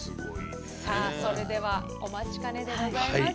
さあそれではお待ちかねでございます。